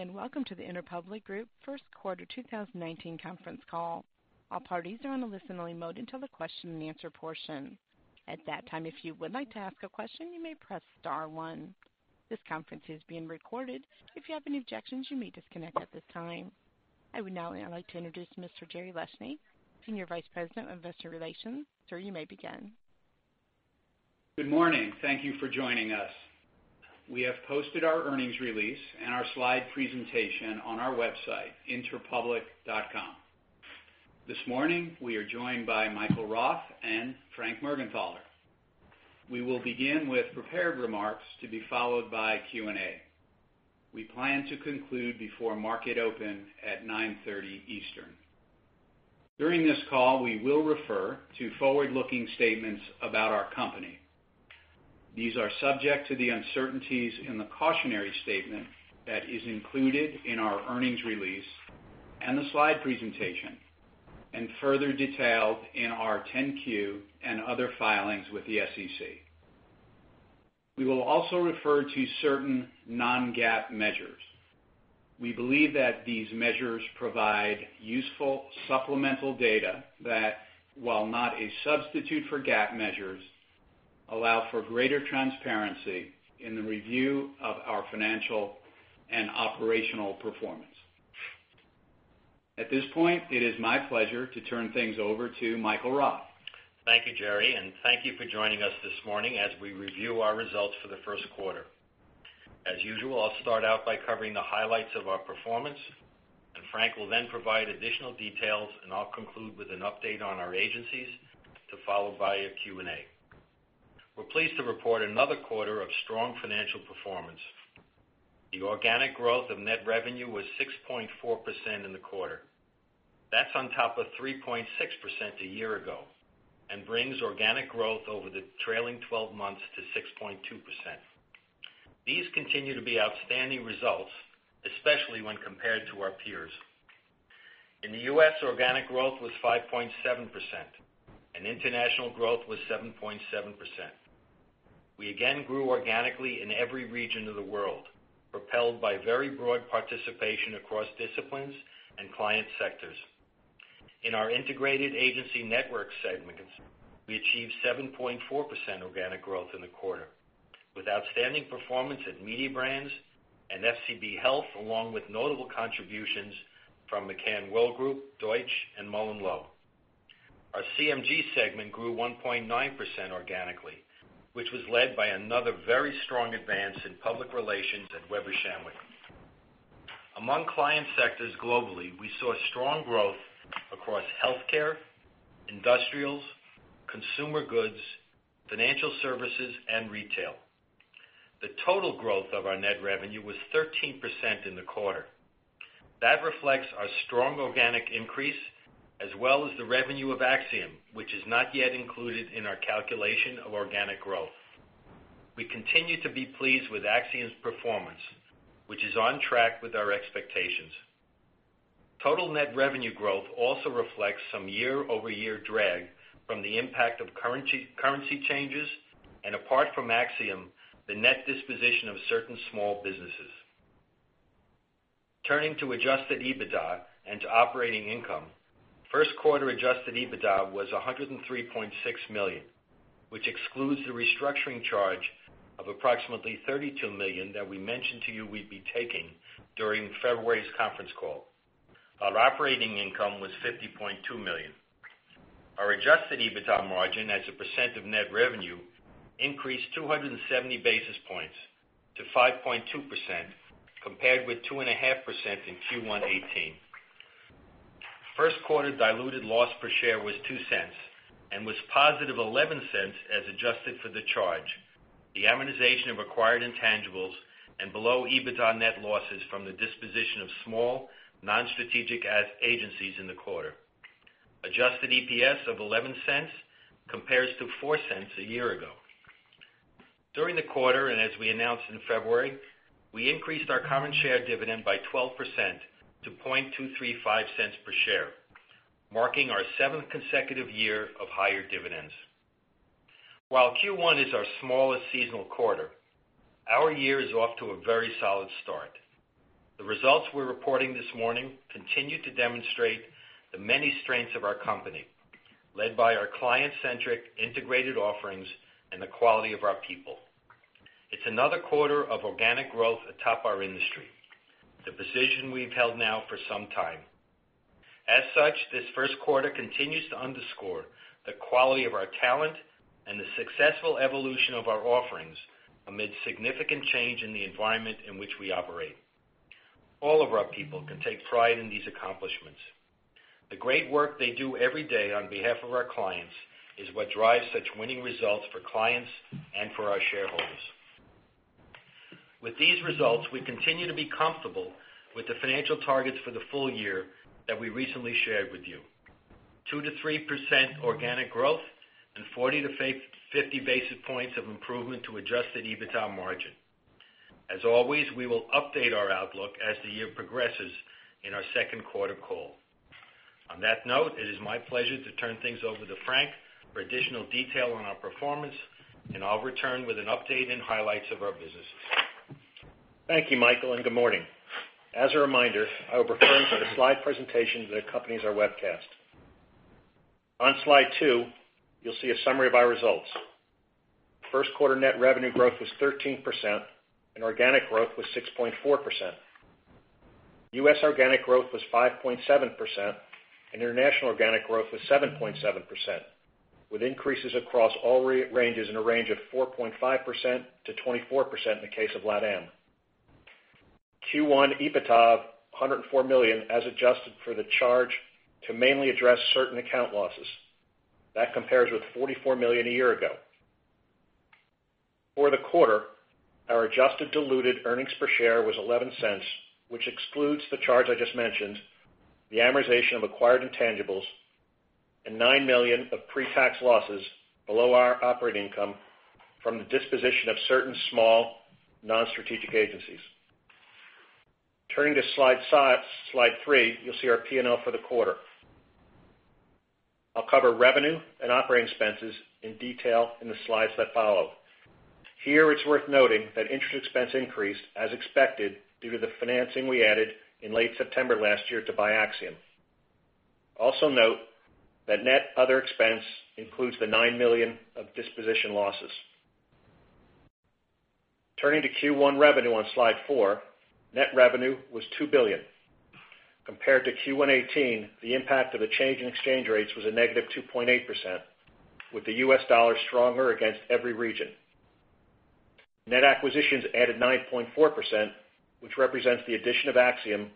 Morning and welcome to the Interpublic Group First Quarter 2019 conference call. All parties are on a listen-only mode until the question-and-answer portion. At that time, if you would like to ask a question, you may press star one. This conference is being recorded. If you have any objections, you may disconnect at this time. I would now like to introduce Mr. Jerry Leshne, Senior Vice President of Investor Relations. Sir, you may begin. Good morning. Thank you for joining us. We have posted our earnings release and our slide presentation on our website, interpublic.com. This morning, we are joined by Michael Roth and Frank Morgenthaler. We will begin with prepared remarks to be followed by Q&A. We plan to conclude before market open at 9:30 A.M. Eastern. During this call, we will refer to forward-looking statements about our company. These are subject to the uncertainties in the cautionary statement that is included in our earnings release and the slide presentation, and further detailed in our 10-Q and other filings with the SEC. We will also refer to certain non-GAAP measures. We believe that these measures provide useful supplemental data that, while not a substitute for GAAP measures, allow for greater transparency in the review of our financial and operational performance. At this point, it is my pleasure to turn things over to Michael Roth. Thank you, Jerry, and thank you for joining us this morning as we review our results for the first quarter. As usual, I'll start out by covering the highlights of our performance, and Frank will then provide additional details, and I'll conclude with an update on our agencies followed by a Q&A. We're pleased to report another quarter of strong financial performance. The organic growth of net revenue was 6.4% in the quarter. That's on top of 3.6% a year ago and brings organic growth over the trailing 12 months to 6.2%. These continue to be outstanding results, especially when compared to our peers. In the U.S., organic growth was 5.7%, and international growth was 7.7%. We again grew organically in every region of the world, propelled by very broad participation across disciplines and client sectors. In our integrated agency network segments, we achieved 7.4% organic growth in the quarter, with outstanding performance at Mediabrands and FCB Health, along with notable contributions from McCann Worldgroup, Deutsch, and MullenLowe. Our CMG segment grew 1.9% organically, which was led by another very strong advance in public relations at Weber Shandwick. Among client sectors globally, we saw strong growth across healthcare, industrials, consumer goods, financial services, and retail. The total growth of our net revenue was 13% in the quarter. That reflects our strong organic increase as well as the revenue of Acxiom, which is not yet included in our calculation of organic growth. We continue to be pleased with Acxiom's performance, which is on track with our expectations. Total net revenue growth also reflects some year-over-year drag from the impact of currency changes, and apart from Acxiom, the net disposition of certain small businesses. Turning to adjusted EBITDA and to operating income, first quarter adjusted EBITDA was $103.6 million, which excludes the restructuring charge of approximately $32 million that we mentioned to you we'd be taking during February's conference call. Our operating income was $50.2 million. Our adjusted EBITDA margin as a percent of net revenue increased 270 basis points to 5.2%, compared with 2.5% in Q1 18. First quarter diluted loss per share was $0.02 and was positive $0.11 as adjusted for the charge, the amortization of acquired intangibles, and below EBITDA net losses from the disposition of small non-strategic agencies in the quarter. Adjusted EPS of $0.11 compares to $0.04 a year ago. During the quarter, and as we announced in February, we increased our common share dividend by 12% to $0.235 per share, marking our seventh consecutive year of higher dividends. While Q1 is our smallest seasonal quarter, our year is off to a very solid start. The results we're reporting this morning continue to demonstrate the many strengths of our company, led by our client-centric integrated offerings and the quality of our people. It's another quarter of organic growth atop our industry, the position we've held now for some time. As such, this first quarter continues to underscore the quality of our talent and the successful evolution of our offerings amid significant change in the environment in which we operate. All of our people can take pride in these accomplishments. The great work they do every day on behalf of our clients is what drives such winning results for clients and for our shareholders. With these results, we continue to be comfortable with the financial targets for the full year that we recently shared with you: 2%-3% organic growth and 40-50 basis points of improvement to adjusted EBITDA margin. As always, we will update our outlook as the year progresses in our second quarter call. On that note, it is my pleasure to turn things over to Frank for additional detail on our performance, and I'll return with an update and highlights of our business. Thank you, Michael, and good morning. As a reminder, I will be referring to the slide presentation that accompanies our webcast. On slide two, you'll see a summary of our results. First quarter net revenue growth was 13%, and organic growth was 6.4%. US organic growth was 5.7%, and international organic growth was 7.7%, with increases across all regions in a range of 4.5% to 24% in the case of LatAm. Q1 EBITDA of $104 million as adjusted for the charge to mainly address certain account losses. That compares with $44 million a year ago. For the quarter, our adjusted diluted earnings per share was $0.11, which excludes the charge I just mentioned, the amortization of acquired intangibles, and $9 million of pre-tax losses below our operating income from the disposition of certain small non-strategic agencies. Turning to slide three, you'll see our P&L for the quarter. I'll cover revenue and operating expenses in detail in the slides that follow. Here, it's worth noting that interest expense increased as expected due to the financing we added in late September last year to buy Acxiom. Also note that net other expense includes the $9 million of disposition losses. Turning to Q1 revenue on slide four, net revenue was $2 billion. Compared to Q118, the impact of the change in exchange rates was a negative 2.8%, with the U.S. dollar stronger against every region. Net acquisitions added 9.4%, which represents the addition of Acxiom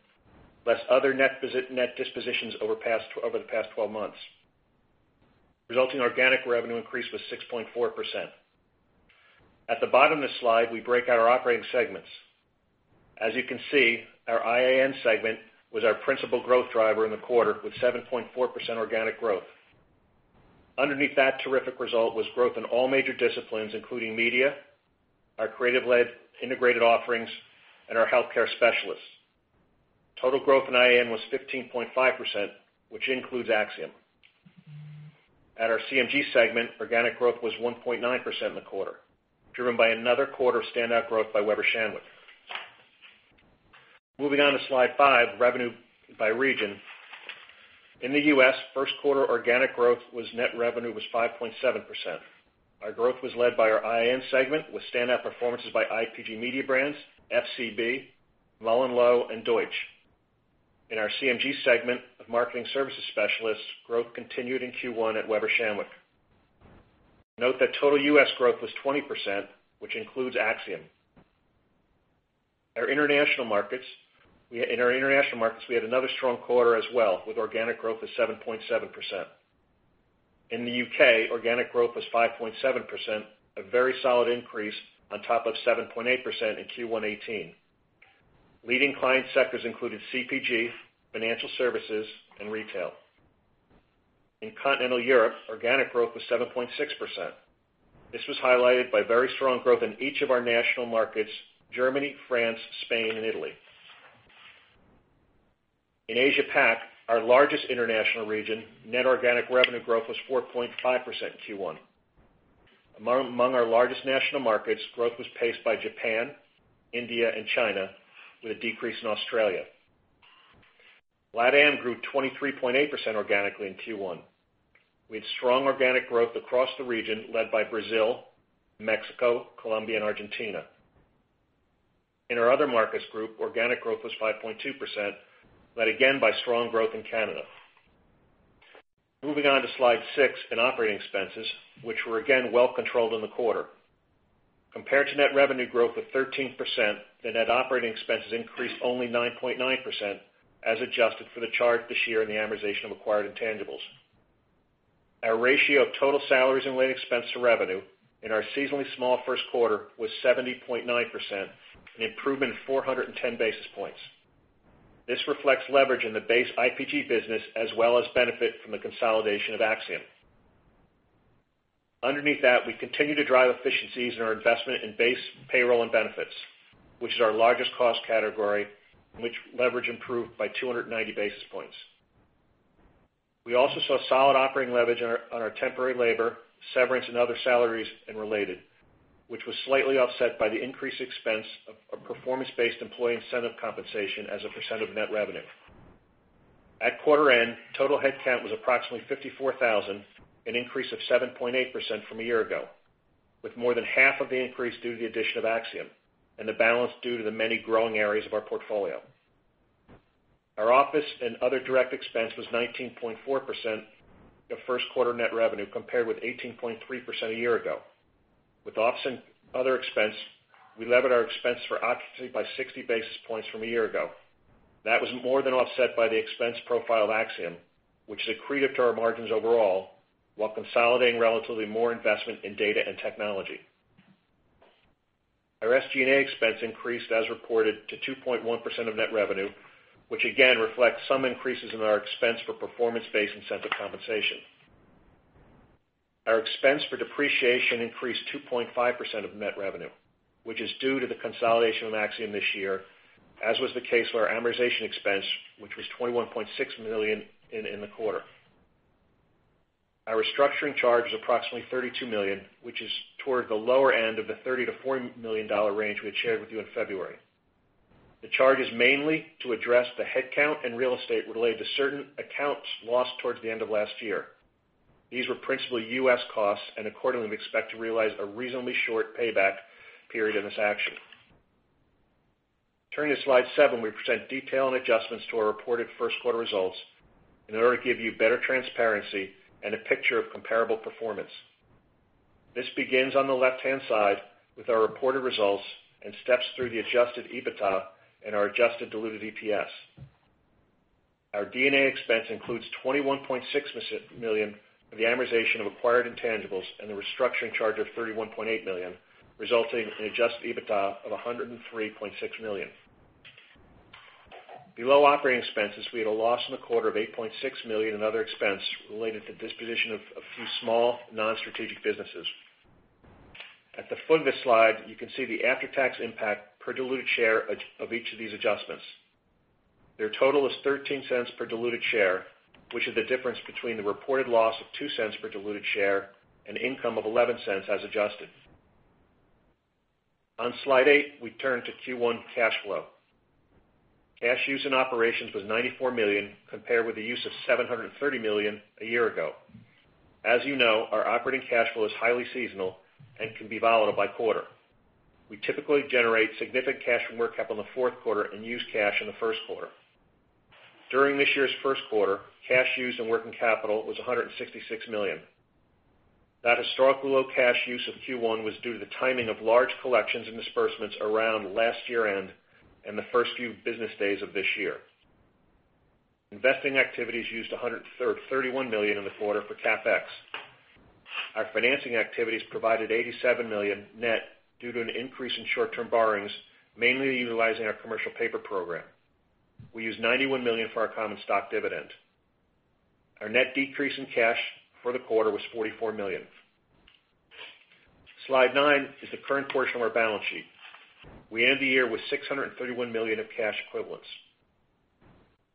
less other net dispositions over the past 12 months. Resulting organic revenue increased with 6.4%. At the bottom of the slide, we break out our operating segments. As you can see, our IAN segment was our principal growth driver in the quarter with 7.4% organic growth. Underneath that terrific result was growth in all major disciplines, including media, our creative-led integrated offerings, and our healthcare specialists. Total growth in IAN was 15.5%, which includes Acxiom. At our CMG segment, organic growth was 1.9% in the quarter, driven by another quarter of standout growth by Weber Shandwick. Moving on to slide five, revenue by region. In the US, first quarter organic growth in net revenue was 5.7%. Our growth was led by our IAN segment with standout performances by IPG Mediabrands, FCB, MullenLowe, and Deutsch. In our CMG segment of marketing services specialists, growth continued in Q1 at Weber Shandwick. Note that total US growth was 20%, which includes Acxiom. In our international markets, we had another strong quarter as well with organic growth of 7.7%. In the UK, organic growth was 5.7%, a very solid increase on top of 7.8% in Q118. Leading client sectors included CPG, financial services, and retail. In Continental Europe, organic growth was 7.6%. This was highlighted by very strong growth in each of our national markets: Germany, France, Spain, and Italy. In Asia-Pac, our largest international region, net organic revenue growth was 4.5% in Q1. Among our largest national markets, growth was paced by Japan, India, and China, with a decrease in Australia. LatAm grew 23.8% organically in Q1. We had strong organic growth across the region led by Brazil, Mexico, Colombia, and Argentina. In our other markets group, organic growth was 5.2%, led again by strong growth in Canada. Moving on to slide six in operating expenses, which were again well controlled in the quarter. Compared to net revenue growth of 13%, the net operating expenses increased only 9.9% as adjusted for the charge this year and the amortization of acquired intangibles. Our ratio of total salaries and related expense to revenue in our seasonally small first quarter was 70.9%, an improvement of 410 basis points. This reflects leverage in the base IPG business as well as benefit from the consolidation of Acxiom. Underneath that, we continue to drive efficiencies in our investment in base payroll and benefits, which is our largest cost category, in which leverage improved by 290 basis points. We also saw solid operating leverage on our temporary labor, severance, and other salaries and related, which was slightly offset by the increased expense of performance-based employee incentive compensation as a percent of net revenue. At quarter end, total headcount was approximately 54,000, an increase of 7.8% from a year ago, with more than half of the increase due to the addition of Acxiom and the balance due to the many growing areas of our portfolio. Our office and other direct expense was 19.4% of first quarter net revenue compared with 18.3% a year ago. With office and other expense, we lowered our expense for occupancy by 60 basis points from a year ago. That was more than offset by the expense profile of Acxiom, which is accretive to our margins overall while consolidating relatively more investment in data and technology. Our SG&A expense increased, as reported, to 2.1% of net revenue, which again reflects some increases in our expense for performance-based incentive compensation. Our expense for depreciation increased to 2.5% of net revenue, which is due to the consolidation of Acxiom this year, as was the case with our amortization expense, which was $21.6 million in the quarter. Our restructuring charge is approximately $32 million, which is toward the lower end of the $30-$40 million range we had shared with you in February. The charge is mainly to address the headcount and real estate related to certain accounts lost towards the end of last year. These were principal U.S. costs, and accordingly, we expect to realize a reasonably short payback period in this action. Turning to slide seven, we present detail and adjustments to our reported first quarter results in order to give you better transparency and a picture of comparable performance. This begins on the left-hand side with our reported results and steps through the adjusted EBITDA and our adjusted diluted EPS. Our D&A expense includes $21.6 million for the amortization of acquired intangibles and the restructuring charge of $31.8 million, resulting in adjusted EBITDA of $103.6 million. Below operating expenses, we had a loss in the quarter of $8.6 million in other expense related to disposition of a few small non-strategic businesses. At the foot of this slide, you can see the after-tax impact per diluted share of each of these adjustments. Their total is $0.13 per diluted share, which is the difference between the reported loss of $0.02 per diluted share and income of $0.11 as adjusted. On slide eight, we turn to Q1 cash flow. Cash use in operations was $94 million compared with the use of $730 million a year ago. As you know, our operating cash flow is highly seasonal and can be volatile by quarter. We typically generate significant cash from working capital in the fourth quarter and use cash in the first quarter. During this year's first quarter, cash used in working capital was $166 million. That historically low cash use of Q1 was due to the timing of large collections and disbursements around last year-end and the first few business days of this year. Investing activities used $131 million in the quarter for CapEx. Our financing activities provided $87 million net due to an increase in short-term borrowings, mainly utilizing our commercial paper program. We used $91 million for our common stock dividend. Our net decrease in cash for the quarter was $44 million. Slide 9 is the current portion of our balance sheet. We ended the year with $631 million of cash equivalents.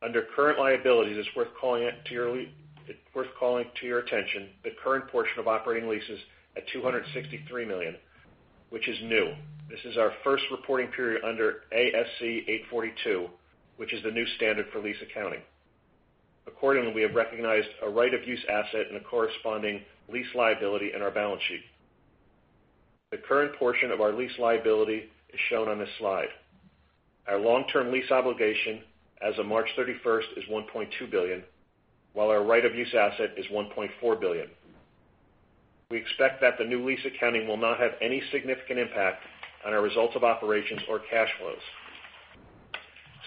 Under current liabilities, it's worth calling to your attention the current portion of operating leases at $263 million, which is new. This is our first reporting period under ASC 842, which is the new standard for lease accounting. Accordingly, we have recognized a right-of-use asset and a corresponding lease liability in our balance sheet. The current portion of our lease liability is shown on this slide. Our long-term lease obligation as of March 31st is $1.2 billion, while our right-of-use asset is $1.4 billion. We expect that the new lease accounting will not have any significant impact on our results of operations or cash flows.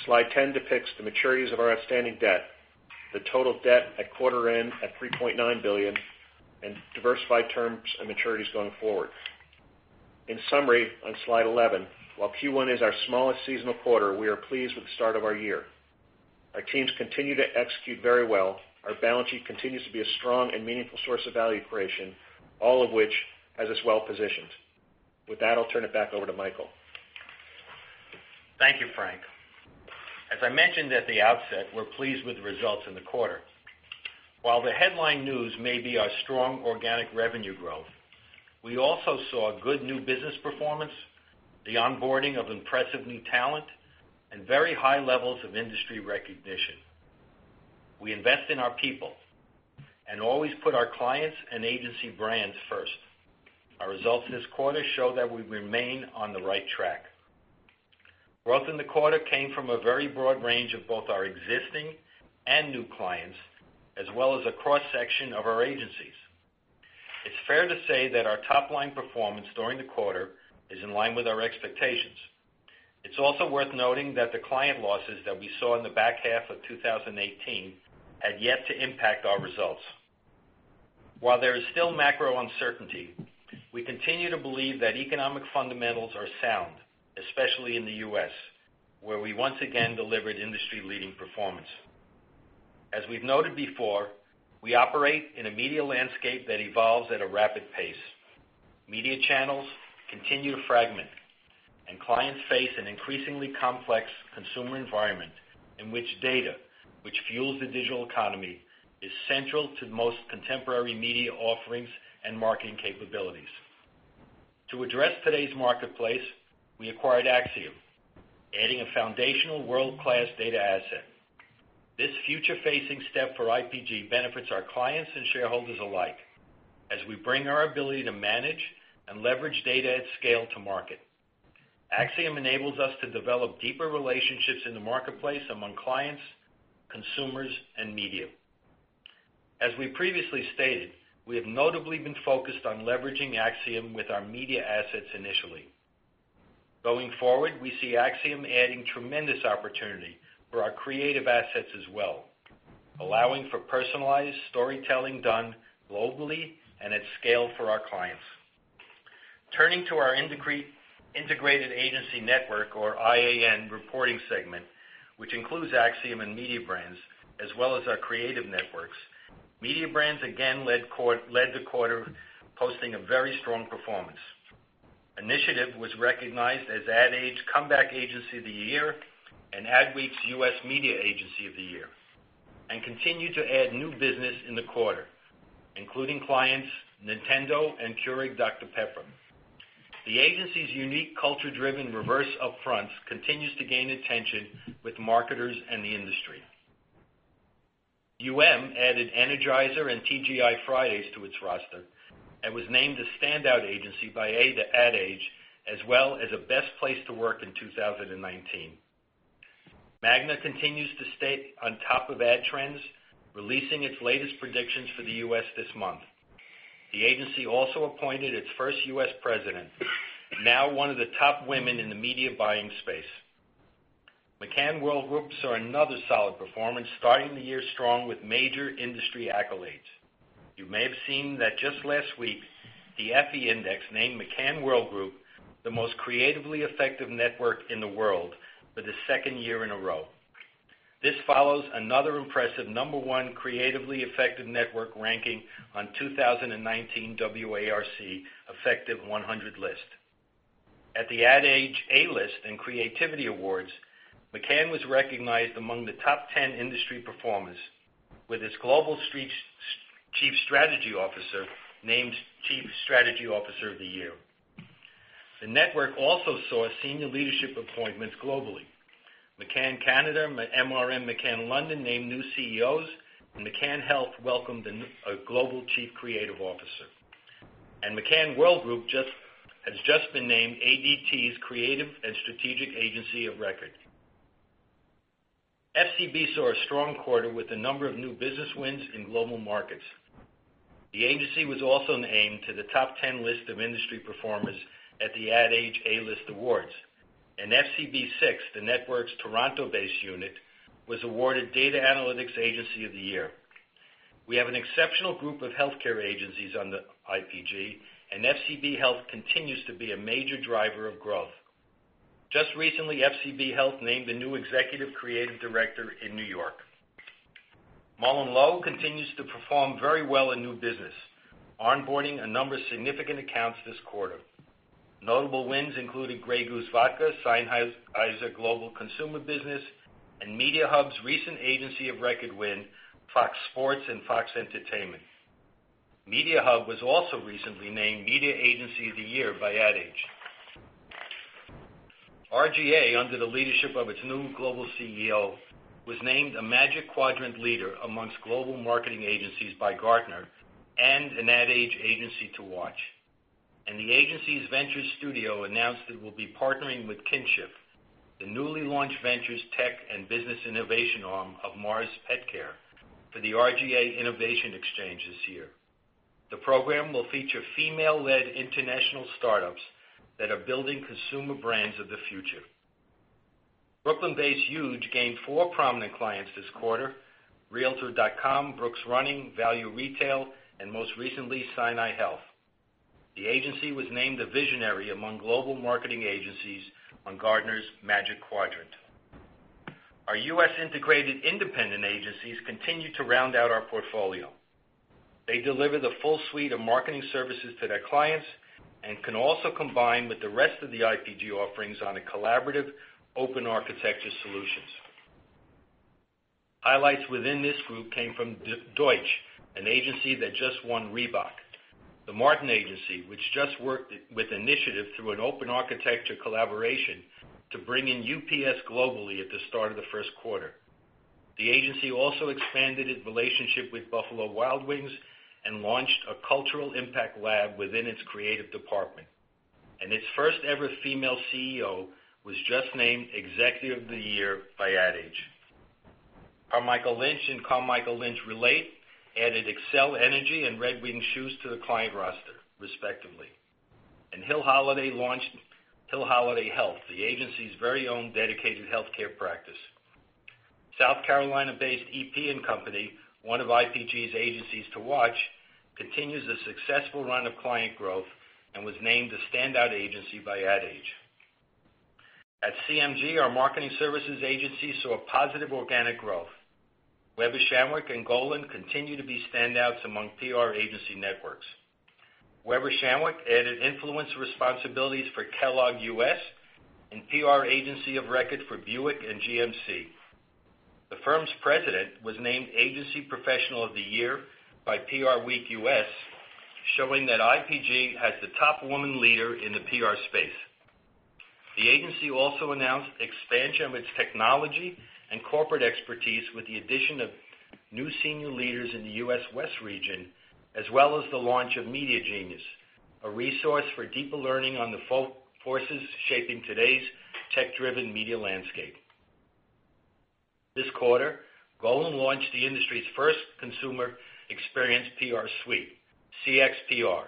Slide 10 depicts the maturities of our outstanding debt, the total debt at quarter end at $3.9 billion, and diversified terms and maturities going forward. In summary, on slide 11, while Q1 is our smallest seasonal quarter, we are pleased with the start of our year. Our teams continue to execute very well. Our balance sheet continues to be a strong and meaningful source of value creation, all of which has us well positioned. With that, I'll turn it back over to Michael. Thank you, Frank. As I mentioned at the outset, we're pleased with the results in the quarter. While the headline news may be our strong organic revenue growth, we also saw good new business performance, the onboarding of impressive new talent, and very high levels of industry recognition. We invest in our people and always put our clients and agency brands first. Our results this quarter show that we remain on the right track. Growth in the quarter came from a very broad range of both our existing and new clients, as well as a cross-section of our agencies. It's fair to say that our top-line performance during the quarter is in line with our expectations. It's also worth noting that the client losses that we saw in the back half of 2018 had yet to impact our results. While there is still macro uncertainty, we continue to believe that economic fundamentals are sound, especially in the U.S., where we once again delivered industry-leading performance. As we've noted before, we operate in a media landscape that evolves at a rapid pace. Media channels continue to fragment, and clients face an increasingly complex consumer environment in which data, which fuels the digital economy, is central to most contemporary media offerings and marketing capabilities. To address today's marketplace, we acquired Acxiom, adding a foundational world-class data asset. This future-facing step for IPG benefits our clients and shareholders alike as we bring our ability to manage and leverage data at scale to market. Acxiom enables us to develop deeper relationships in the marketplace among clients, consumers, and media. As we previously stated, we have notably been focused on leveraging Acxiom with our media assets initially. Going forward, we see Acxiom adding tremendous opportunity for our creative assets as well, allowing for personalized storytelling done globally and at scale for our clients. Turning to our integrated agency network, or IAN reporting segment, which includes Acxiom and media brands, as well as our creative networks, media brands again led the quarter, posting a very strong performance. Initiative was recognized as Ad Age Comeback Agency of the Year and Adweek's U.S. Media Agency of the Year, and continued to add new business in the quarter, including clients Nintendo and Keurig Dr Pepper. The agency's unique culture-driven reverse upfronts continues to gain attention with marketers and the industry. Added Energizer and TGI Fridays to its roster and was named a standout agency by Ad Age, as well as a best place to work in 2019. MAGNA continues to stay on top of ad trends, releasing its latest predictions for the U.S. this month. The agency also appointed its first U.S. president, now one of the top women in the media buying space. McCann Worldgroup saw another solid performance, starting the year strong with major industry accolades. You may have seen that just last week, the Effie Index named McCann Worldgroup the most creatively effective network in the world for the second year in a row. This follows another impressive number one creatively effective network ranking on 2019 WARC Effective 100 list. At the Ad Age A-List and Creativity Awards, McCann was recognized among the top 10 industry performers, with its global chief strategy officer named chief strategy officer of the year. The network also saw senior leadership appointments globally. McCann Canada and MRM McCann London named new CEOs, and McCann Health welcomed a global Chief Creative Officer. McCann Worldgroup has just been named ADT's creative and strategic agency of record. FCB saw a strong quarter with a number of new business wins in global markets. The agency was also named to the top 10 list of industry performers at the Ad Age A-List awards. FCB/SIX, the network's Toronto-based unit, was awarded Data Analytics Agency of the Year. We have an exceptional group of healthcare agencies under IPG, and FCB Health continues to be a major driver of growth. Just recently, FCB Health named a new Executive Creative Director in New York. MullenLowe continues to perform very well in new business, onboarding a number of significant accounts this quarter. Notable wins included Grey Goose Vodka, Sennheiser Global Consumer Business, and Mediahub's recent agency of record win, Fox Sports and Fox Entertainment. Mediahub was also recently named Media Agency of the Year by Ad Age. R/GA, under the leadership of its new global CEO, was named a Magic Quadrant leader among global marketing agencies by Gartner and an Ad Age agency to watch. And the agency's Ventures Studio announced it will be partnering with Kinship, the newly launched Ventures Tech and Business Innovation arm of Mars Petcare, for the R/GA Innovation Exchange this year. The program will feature female-led international startups that are building consumer brands of the future. Brooklyn-based Huge gained four prominent clients this quarter: Realtor.com, Brooks Running, Value Retail, and most recently, Sinai Health. The agency was named a visionary among global marketing agencies on Gartner's Magic Quadrant. Our U.S. integrated independent agencies continue to round out our portfolio. They deliver the full suite of marketing services to their clients and can also combine with the rest of the IPG offerings on a collaborative open architecture solutions. Highlights within this group came from Deutsch, an agency that just won Reebok, The Martin Agency, which just worked with Initiative through an open architecture collaboration to bring in UPS globally at the start of the first quarter. The agency also expanded its relationship with Buffalo Wild Wings and launched a cultural impact lab within its creative department, and its first-ever female CEO was just named executive of the year by Ad Age. Our Carmichael Lynch and Carmichael Lynch Relate added Xcel Energy and Red Wing Shoes to the client roster, respectively, and Hill Holliday launched Hill Holliday Health, the agency's very own dedicated healthcare practice. South Carolina-based EP+Co, one of IPG's agencies to watch, continues a successful run of client growth and was named a standout agency by Ad Age. At CMG, our marketing services agency saw positive organic growth. Weber Shandwick and Golin continue to be standouts among PR agency networks. Weber Shandwick added influence responsibilities for Kellogg US and PR agency of record for Buick and GMC. The firm's president was named Agency Professional of the Year by PRWeek US, showing that IPG has the top woman leader in the PR space. The agency also announced expansion of its technology and corporate expertise with the addition of new senior leaders in the US West region, as well as the launch of Media Genius, a resource for deeper learning on the forces shaping today's tech-driven media landscape. This quarter, Golin launched the industry's first consumer experience PR suite, CXPR,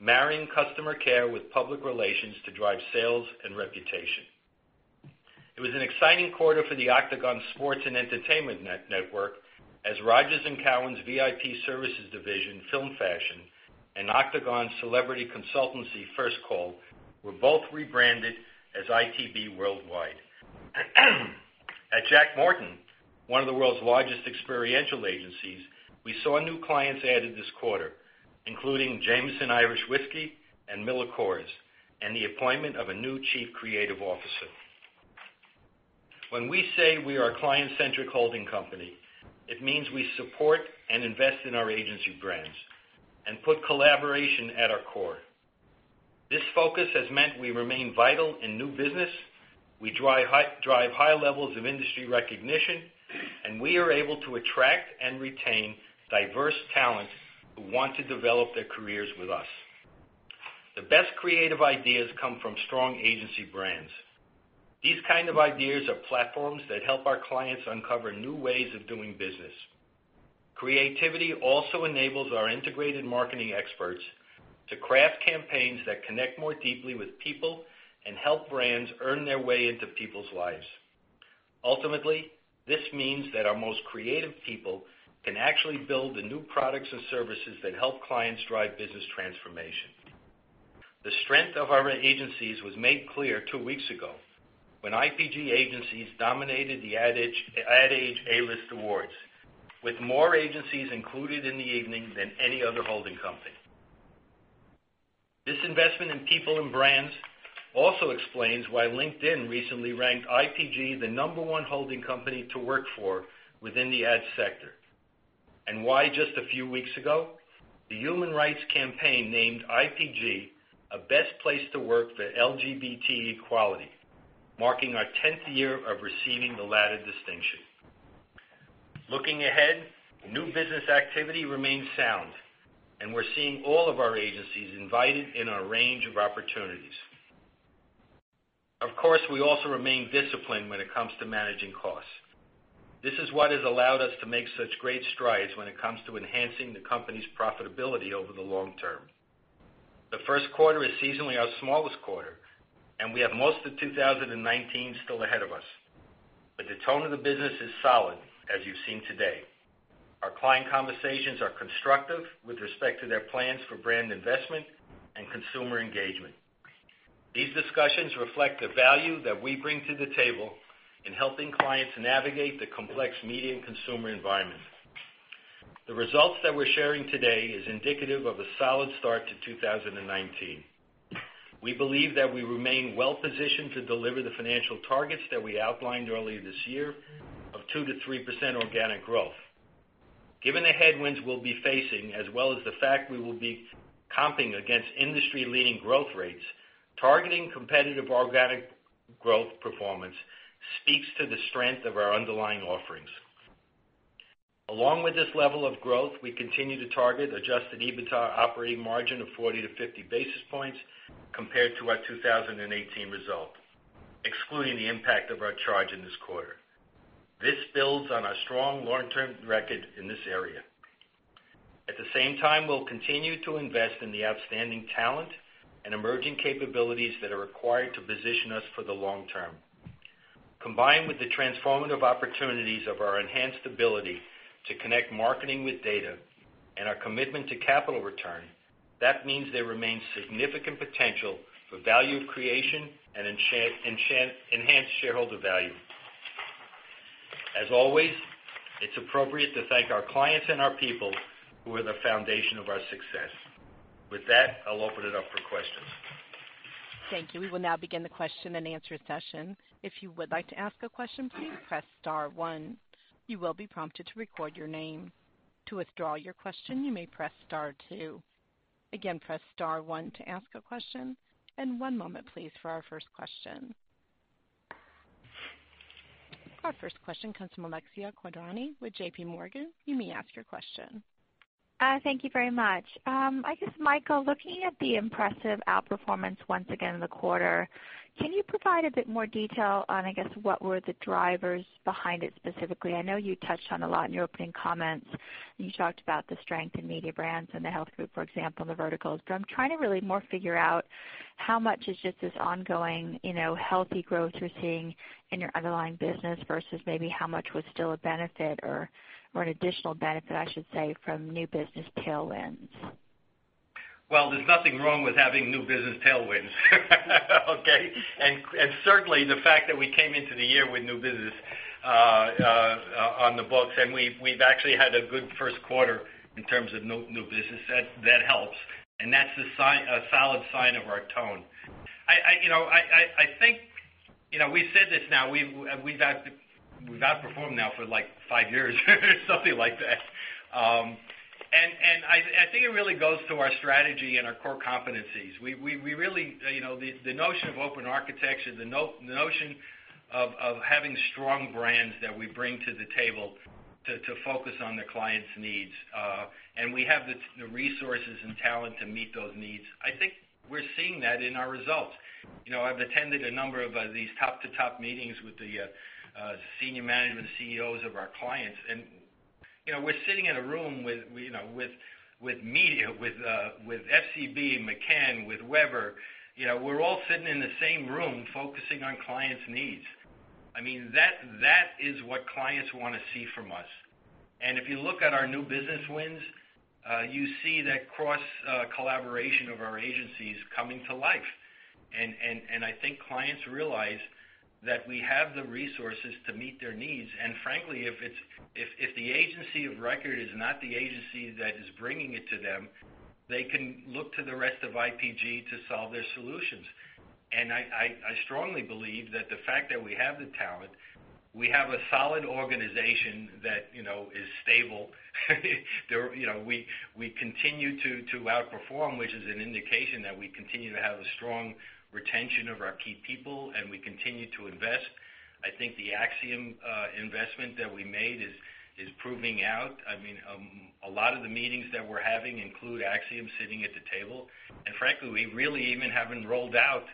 marrying customer care with public relations to drive sales and reputation. It was an exciting quarter for the Octagon Sports and Entertainment Network, as Rogers & Cowan's VIP Services Division, Film Fashion, and Octagon Celebrity Consultancy First Call were both rebranded as ITB Worldwide. At Jack Morton, one of the world's largest experiential agencies, we saw new clients added this quarter, including Jameson Irish Whiskey and MillerCoors, and the appointment of a new chief creative officer. When we say we are a client-centric holding company, it means we support and invest in our agency brands and put collaboration at our core. This focus has meant we remain vital in new business, we drive high levels of industry recognition, and we are able to attract and retain diverse talent who want to develop their careers with us. The best creative ideas come from strong agency brands. These kinds of ideas are platforms that help our clients uncover new ways of doing business. Creativity also enables our integrated marketing experts to craft campaigns that connect more deeply with people and help brands earn their way into people's lives. Ultimately, this means that our most creative people can actually build the new products and services that help clients drive business transformation. The strength of our agencies was made clear two weeks ago when IPG agencies dominated the Ad Age A-list awards, with more agencies included in the evening than any other holding company. This investment in people and brands also explains why LinkedIn recently ranked IPG the number one holding company to work for within the ad sector, and why just a few weeks ago, the Human Rights Campaign named IPG a best place to work for LGBT equality, marking our 10th year of receiving the latter distinction. Looking ahead, new business activity remains sound, and we're seeing all of our agencies invited in our range of opportunities. Of course, we also remain disciplined when it comes to managing costs. This is what has allowed us to make such great strides when it comes to enhancing the company's profitability over the long term. The first quarter is seasonally our smallest quarter, and we have most of 2019 still ahead of us. But the tone of the business is solid, as you've seen today. Our client conversations are constructive with respect to their plans for brand investment and consumer engagement. These discussions reflect the value that we bring to the table in helping clients navigate the complex media and consumer environment. The results that we're sharing today are indicative of a solid start to 2019. We believe that we remain well-positioned to deliver the financial targets that we outlined earlier this year of 2%-3% organic growth. Given the headwinds we'll be facing, as well as the fact we will be comping against industry-leading growth rates, targeting competitive organic growth performance speaks to the strength of our underlying offerings. Along with this level of growth, we continue to target Adjusted EBITDA operating margin of 40-50 basis points compared to our 2018 result, excluding the impact of our charge in this quarter. This builds on our strong long-term record in this area. At the same time, we'll continue to invest in the outstanding talent and emerging capabilities that are required to position us for the long term. Combined with the transformative opportunities of our enhanced ability to connect marketing with data and our commitment to capital return, that means there remains significant potential for value creation and enhanced shareholder value. As always, it's appropriate to thank our clients and our people who are the foundation of our success. With that, I'll open it up for questions. Thank you. We will now begin the question and answer session. If you would like to ask a question, please press star one. You will be prompted to record your name. To withdraw your question, you may press star two. Again, press star one to ask a question. And one moment, please, for our first question. Our first question comes from Alexia Quadrani with J.P. Morgan. You may ask your question. Thank you very much. I guess, Michael, looking at the impressive outperformance once again in the quarter, can you provide a bit more detail on, I guess, what were the drivers behind it specifically? I know you touched on a lot in your opening comments. You talked about the strength in media brands and the health group, for example, and the verticals. But I'm trying to really more figure out how much is just this ongoing healthy growth you're seeing in your underlying business versus maybe how much was still a benefit or an additional benefit, I should say, from new business tailwinds? There's nothing wrong with having new business tailwinds, okay? Certainly, the fact that we came into the year with new business on the books, and we've actually had a good first quarter in terms of new business, that helps. That's a solid sign of our tone. I think we've said this now. We've outperformed now for like five years or something like that. I think it really goes to our strategy and our core competencies. The notion of open architecture, the notion of having strong brands that we bring to the table to focus on the client's needs, and we have the resources and talent to meet those needs. I think we're seeing that in our results. I've attended a number of these top-to-top meetings with the senior management CEOs of our clients. We're sitting in a room with FCB, McCann, with Weber Shandwick. We're all sitting in the same room focusing on clients' needs. I mean, that is what clients want to see from us, and if you look at our new business wins, you see that cross-collaboration of our agencies coming to life. I think clients realize that we have the resources to meet their needs, and frankly, if the agency of record is not the agency that is bringing it to them, they can look to the rest of IPG to solve their solutions. I strongly believe that the fact that we have the talent, we have a solid organization that is stable. We continue to outperform, which is an indication that we continue to have a strong retention of our key people, and we continue to invest. I think the Acxiom investment that we made is proving out. I mean, a lot of the meetings that we're having include Acxiom sitting at the table, and frankly, we really even haven't rolled out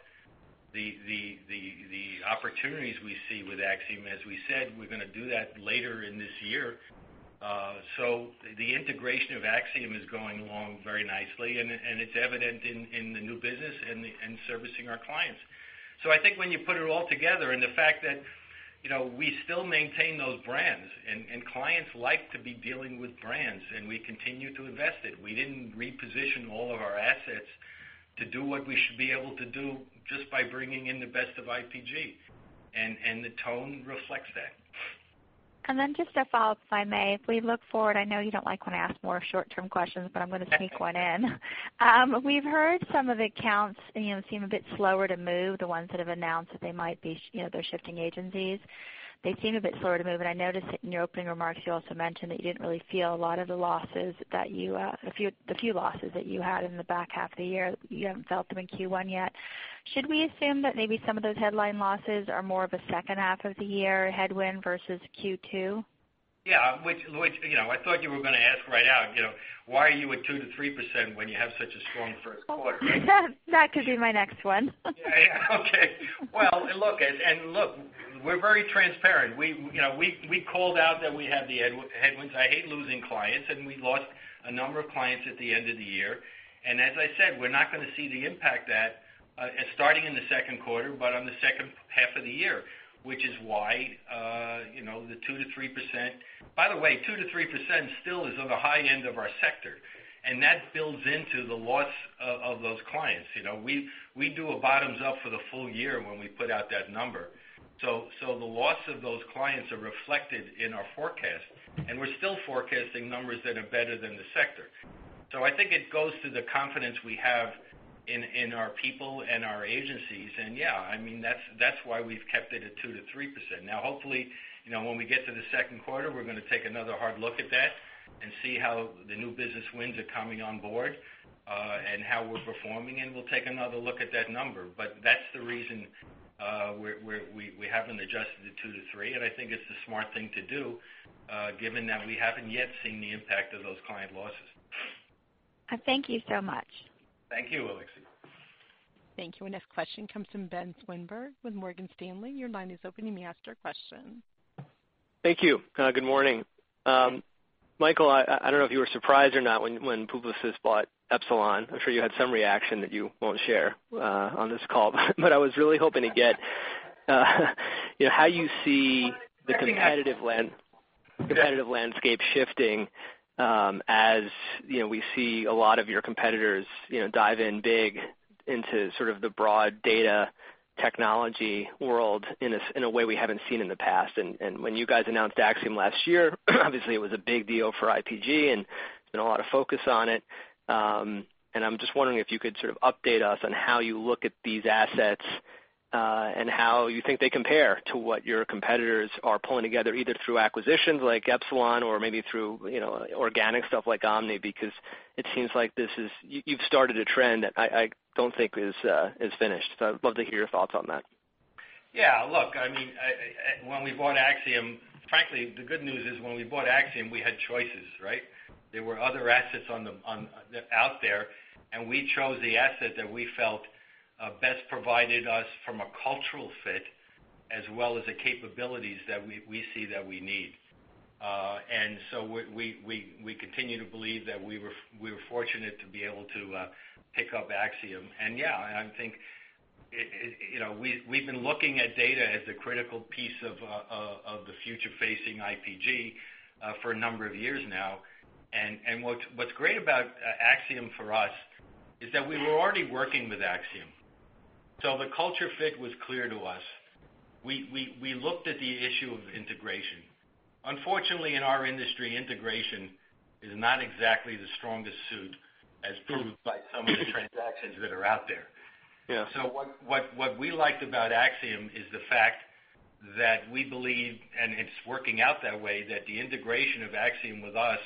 the opportunities we see with Acxiom, as we said. We're going to do that later in this year, so the integration of Acxiom is going along very nicely, and it's evident in the new business and servicing our clients, so I think when you put it all together and the fact that we still maintain those brands, and clients like to be dealing with brands, and we continue to invest it, we didn't reposition all of our assets to do what we should be able to do just by bringing in the best of IPG, and the tone reflects that. And then, just to follow up, if I may, if we look forward, I know you don't like when I ask more short-term questions, but I'm going to sneak one in. We've heard some of the accounts seem a bit slower to move, the ones that have announced that they might be shifting agencies. They seem a bit slower to move. And I noticed in your opening remarks, you also mentioned that you didn't really feel a lot of the few losses that you had in the back half of the year. You haven't felt them in Q1 yet. Should we assume that maybe some of those headline losses are more of a second half of the year headwind versus Q2? Yeah. I thought you were going to ask right out, why are you at 2%-3% when you have such a strong first quarter? That could be my next one. Okay. Well, look, and look, we're very transparent. We called out that we had the headwinds. I hate losing clients, and we lost a number of clients at the end of the year. And as I said, we're not going to see the impact starting in the second quarter, but on the second half of the year, which is why the 2%-3%, by the way, 2%-3% still is on the high end of our sector. And that builds into the loss of those clients. We do a bottoms-up for the full year when we put out that number. So the loss of those clients are reflected in our forecast, and we're still forecasting numbers that are better than the sector. So I think it goes to the confidence we have in our people and our agencies. Yeah, I mean, that's why we've kept it at 2%-3%. Now, hopefully, when we get to the second quarter, we're going to take another hard look at that and see how the new business wins are coming on board and how we're performing. We'll take another look at that number. That's the reason we haven't adjusted to 2%-3%. I think it's the smart thing to do, given that we haven't yet seen the impact of those client losses. Thank you so much. Thank you, Alexia. Thank you. Our next question comes from Ben Swinburne with Morgan Stanley. Your line is open. You may ask your question. Thank you. Good morning. Michael, I don't know if you were surprised or not when Publicis bought Epsilon. I'm sure you had some reaction that you won't share on this call. But I was really hoping to get how you see the competitive landscape shifting as we see a lot of your competitors dive in big into sort of the broad data technology world in a way we haven't seen in the past. And when you guys announced Acxiom last year, obviously, it was a big deal for IPG, and there's been a lot of focus on it. I'm just wondering if you could sort of update us on how you look at these assets and how you think they compare to what your competitors are pulling together, either through acquisitions like Epsilon or maybe through organic stuff like Omni, because it seems like you've started a trend that I don't think is finished. So I'd love to hear your thoughts on that. Yeah. Look, I mean, when we bought Acxiom, frankly, the good news is when we bought Acxiom, we had choices, right? There were other assets out there, and we chose the asset that we felt best provided us from a cultural fit as well as the capabilities that we see that we need. And so we continue to believe that we were fortunate to be able to pick up Acxiom. And yeah, I think we've been looking at data as the critical piece of the future-facing IPG for a number of years now. And what's great about Acxiom for us is that we were already working with Acxiom. So the culture fit was clear to us. We looked at the issue of integration. Unfortunately, in our industry, integration is not exactly the strongest suit, as proved by some of the transactions that are out there. What we liked about Acxiom is the fact that we believe, and it's working out that way, that the integration of Acxiom with us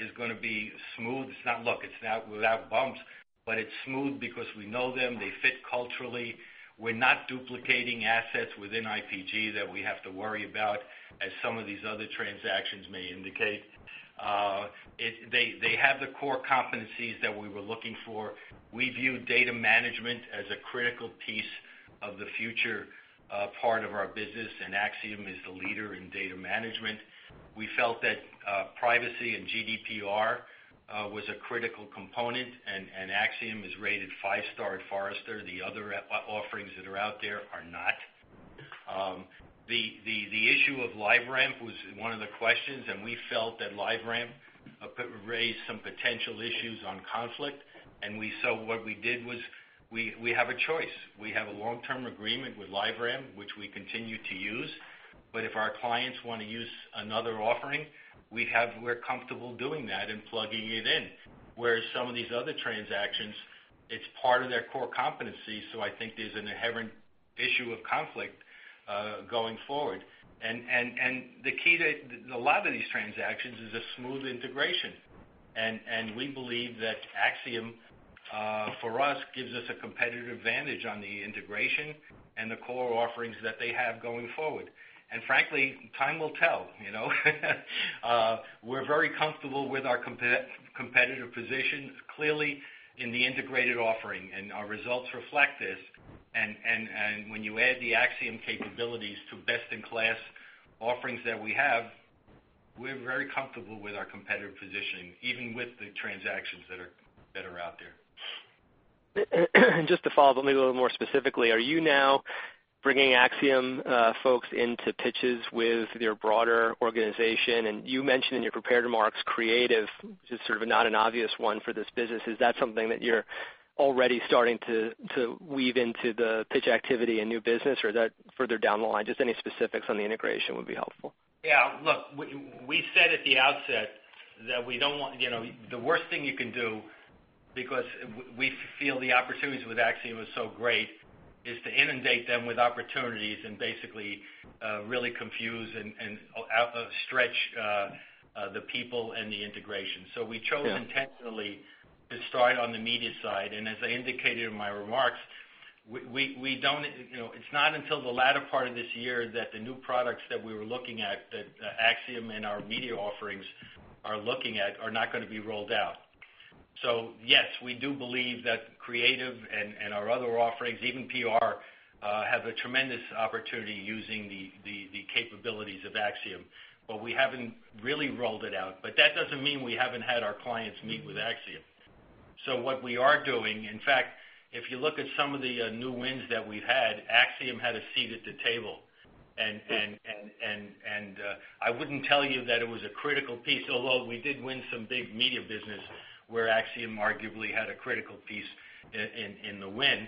is going to be smooth. Look, it's not without bumps, but it's smooth because we know them. They fit culturally. We're not duplicating assets within IPG that we have to worry about, as some of these other transactions may indicate. They have the core competencies that we were looking for. We view data management as a critical piece of the future part of our business, and Acxiom is the leader in data management. We felt that privacy and GDPR was a critical component, and Acxiom is rated five-star at Forrester. The other offerings that are out there are not. The issue of LiveRamp was one of the questions, and we felt that LiveRamp raised some potential issues on conflict. And so what we did was we have a choice. We have a long-term agreement with LiveRamp, which we continue to use. But if our clients want to use another offering, we're comfortable doing that and plugging it in. Whereas some of these other transactions, it's part of their core competency. So I think there's an inherent issue of conflict going forward. And the key to a lot of these transactions is a smooth integration. And we believe that Acxiom, for us, gives us a competitive advantage on the integration and the core offerings that they have going forward. And frankly, time will tell. We're very comfortable with our competitive position, clearly, in the integrated offering, and our results reflect this. And when you add the Acxiom capabilities to best-in-class offerings that we have, we're very comfortable with our competitive position, even with the transactions that are out there. And just to follow up, let me go a little more specifically. Are you now bringing Acxiom folks into pitches with your broader organization? And you mentioned in your prepared remarks, creative, which is sort of not an obvious one for this business. Is that something that you're already starting to weave into the pitch activity and new business, or is that further down the line? Just any specifics on the integration would be helpful. Yeah. Look, we said at the outset that we don't want the worst thing you can do, because we feel the opportunities with Acxiom are so great, is to inundate them with opportunities and basically really confuse and stretch the people and the integration. So we chose intentionally to start on the media side. And as I indicated in my remarks, it's not until the latter part of this year that the new products that we were looking at, that Acxiom and our media offerings are looking at, are not going to be rolled out. So yes, we do believe that creative and our other offerings, even PR, have a tremendous opportunity using the capabilities of Acxiom. But we haven't really rolled it out. But that doesn't mean we haven't had our clients meet with Acxiom. So what we are doing, in fact, if you look at some of the new wins that we've had, Acxiom had a seat at the table. And I wouldn't tell you that it was a critical piece, although we did win some big media business where Acxiom arguably had a critical piece in the win.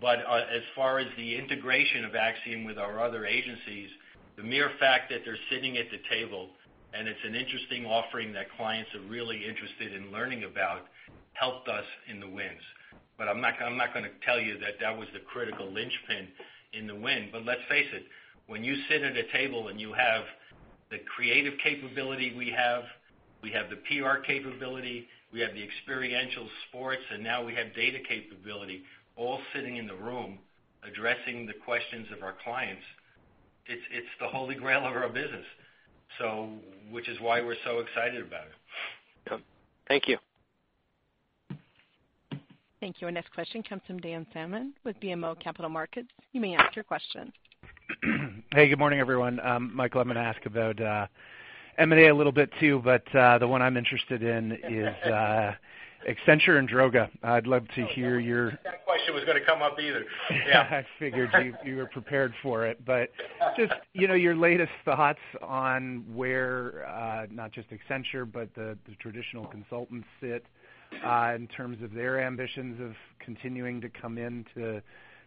But as far as the integration of Acxiom with our other agencies, the mere fact that they're sitting at the table and it's an interesting offering that clients are really interested in learning about helped us in the wins. But I'm not going to tell you that that was the critical linchpin in the win. But let's face it, when you sit at a table and you have the creative capability we have, we have the PR capability, we have the experiential sports, and now we have data capability all sitting in the room addressing the questions of our clients, it's the Holy Grail of our business, which is why we're so excited about it. Yep. Thank you. Thank you. Our next question comes from Dan Salmon with BMO Capital Markets. You may ask your question. Hey, good morning, everyone. Michael, I'm going to ask about M&A a little bit too, but the one I'm interested in is Accenture and Droga. I'd love to hear your. That question was going to come up either. Yeah. I figured you were prepared for it. But just your latest thoughts on where not just Accenture, but the traditional consultants sit in terms of their ambitions of continuing to come into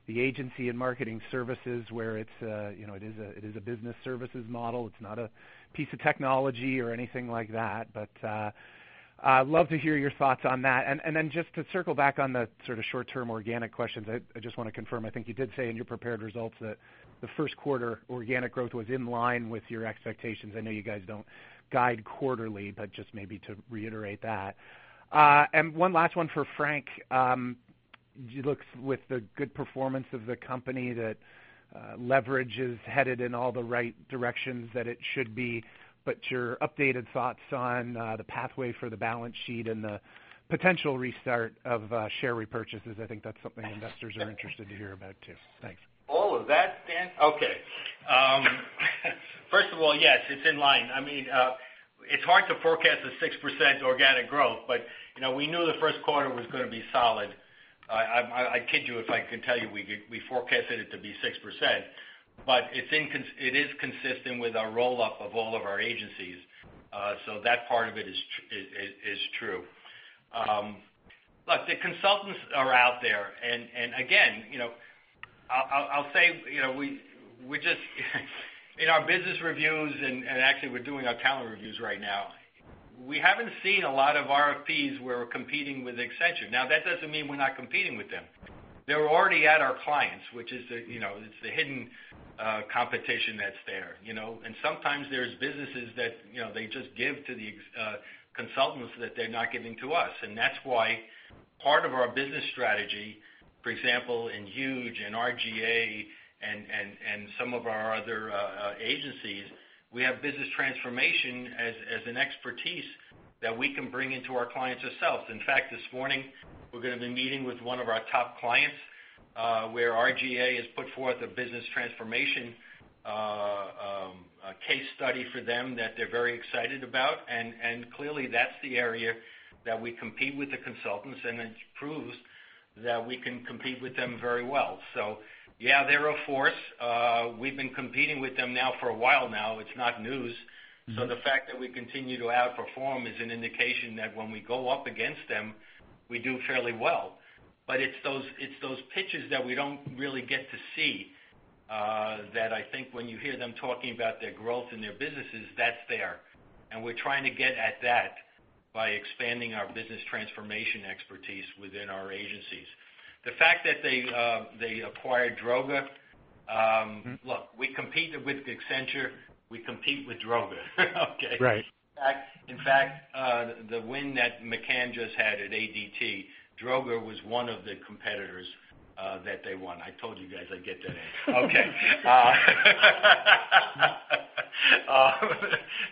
the agency and marketing services where it is a business services model. It's not a piece of technology or anything like that. But I'd love to hear your thoughts on that. And then just to circle back on the sort of short-term organic questions, I just want to confirm. I think you did say in your prepared results that the first quarter organic growth was in line with your expectations. I know you guys don't guide quarterly, but just maybe to reiterate that. And one last one for Frank. It looks with the good performance of the company that leverage is headed in all the right directions that it should be. But your updated thoughts on the pathway for the balance sheet and the potential restart of share repurchases? I think that's something investors are interested to hear about too. Thanks. All of that, Dan? Okay. First of all, yes, it's in line. I mean, it's hard to forecast a 6% organic growth, but we knew the first quarter was going to be solid. I'd kid you if I could tell you we forecasted it to be 6%. But it is consistent with our roll-up of all of our agencies. So that part of it is true. Look, the consultants are out there. And again, I'll say we just in our business reviews, and actually, we're doing our talent reviews right now, we haven't seen a lot of RFPs where we're competing with Accenture. Now, that doesn't mean we're not competing with them. They're already at our clients, which is the hidden competition that's there. And sometimes there's businesses that they just give to the consultants that they're not giving to us. And that's why part of our business strategy, for example, in Huge and R/GA and some of our other agencies, we have business transformation as an expertise that we can bring into our clients ourselves. In fact, this morning, we're going to be meeting with one of our top clients where R/GA has put forth a business transformation case study for them that they're very excited about. And clearly, that's the area that we compete with the consultants, and it proves that we can compete with them very well. So yeah, they're a force. We've been competing with them now for a while now. It's not news. So the fact that we continue to outperform is an indication that when we go up against them, we do fairly well. But it's those pitches that we don't really get to see that I think when you hear them talking about their growth and their businesses, that's there. And we're trying to get at that by expanding our business transformation expertise within our agencies. The fact that they acquired Droga5, look, we compete with Accenture. We compete with Droga5. Okay? In fact, the win that McCann just had at ADT, Droga5 was one of the competitors that they won. I told you guys I'd get that answer. Okay.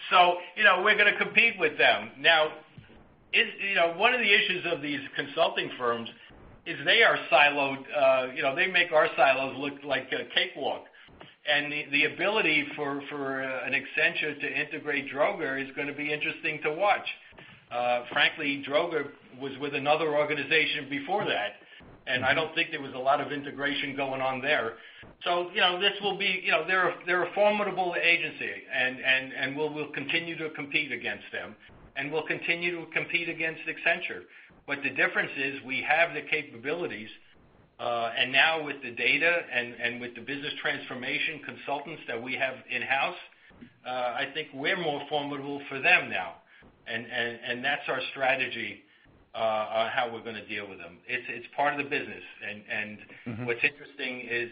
So we're going to compete with them. Now, one of the issues of these consulting firms is they are siloed. They make our silos look like a cakewalk. And the ability for an Accenture to integrate Droga5 is going to be interesting to watch. Frankly, Droga was with another organization before that, and I don't think there was a lot of integration going on there. So this will be. They're a formidable agency, and we'll continue to compete against them, and we'll continue to compete against Accenture. But the difference is we have the capabilities, and now with the data and with the business transformation consultants that we have in-house, I think we're more formidable for them now. And that's our strategy on how we're going to deal with them. It's part of the business. And what's interesting is